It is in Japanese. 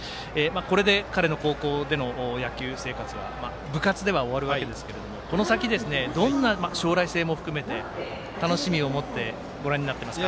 これで彼の高校での野球生活は部活では終わるわけですけどこの先、将来も含めてどんな楽しみをもってご覧になってますか？